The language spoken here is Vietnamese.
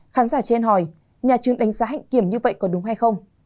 khán giả trên hỏi nhà trường đánh giá hạnh kiểm như vậy có đúng hay không